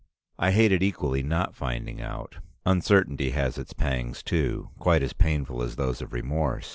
I hated equally not finding out. Uncertainty has its pangs too, quite as painful as those of remorse.